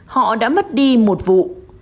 họ đã mất đi một vụ